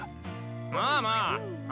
まあまあ。